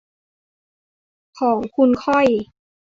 ของคุณค่อย